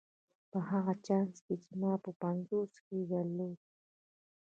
په هغه چانس کې چې ما په پنځوسو کې درلود.